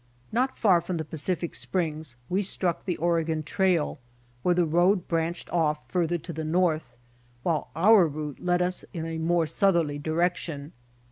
Not far from the Pacific springs we struck the Oregon trail where the road branched off further to the north, while our route led us in a more southerly direction.